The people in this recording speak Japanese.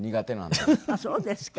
あっそうですか。